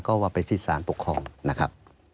ก็ว่าไปที่สารปกครองนะครับ